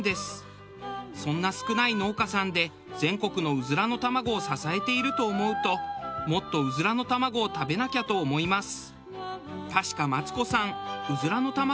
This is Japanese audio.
そんな少ない農家さんで全国のうずらの卵を支えていると思うともっとうずらの卵を食べなきゃと思います。